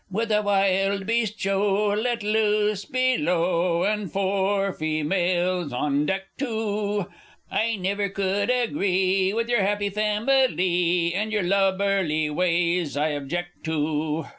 With a Wild Beast Show Let loose below, And four fe males on deck too! I never could agree With your happy fami lee, And your lubberly ways I objeck to."